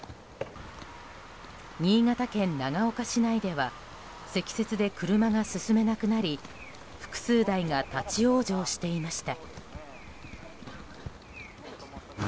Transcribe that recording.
新潟県長岡市内では積雪で車が進めなくなり複数台が立ち往生していました。